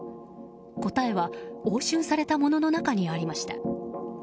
答えは押収されたものの中にありました。